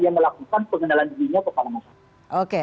yang melakukan pengendalian dirinya